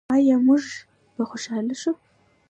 آیا موږ به خوشحاله شو؟